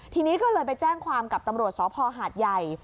ทีนี้ก็เลยไปแจ้งความกับตำรวจสพหาดใหญ่